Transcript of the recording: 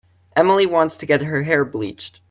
Emily wants to get her hair bleached.